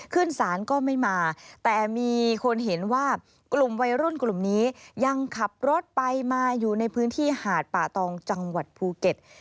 ขึ้นศาลก็ไม่มาแต่มีคนเห็นว่ากลุ่มวัยรุ่นกลุ่มนี้ยังขับรถไปมาอยู่ในพื้นที่หาดป่าตองจังหวัดภูเก็ต